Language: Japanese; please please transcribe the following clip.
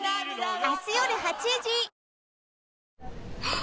あ！